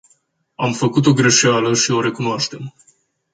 Am făcut o greșeală și o recunoaștem.